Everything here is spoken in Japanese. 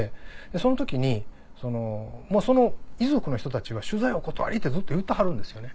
その時にその遺族の人たちは「取材お断り」ってずっと言ってはるんですよね。